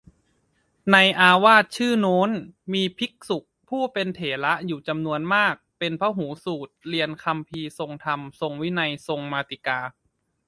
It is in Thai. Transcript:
ในอาวาสชื่อโน้น มีภิกษุผู้เป็นเถระอยู่จำนวนมากเป็นพหูสูตร เรียนคำภีร์ ทรงธรรม ทรงวินัย ทรงมาติกา